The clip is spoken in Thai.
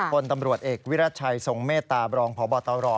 คนตำรวจเอกวิรัติชัยทรงเมตตาบรองพบตร